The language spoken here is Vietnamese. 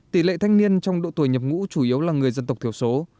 tỷ lệ thanh niên trong độ tuổi nhập ngũ chủ yếu là người dân tộc thiểu số